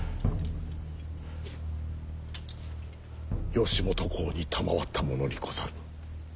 義元公に賜ったものにござる。